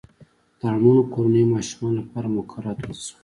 د اړمنو کورنیو ماشومانو لپاره مقررات وضع شول.